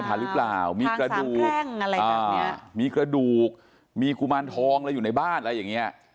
ทางสามแพร่งอะไรแบบนี้มีกระดูกมีกุมารทองอยู่ในบ้านอะไรอย่างนี้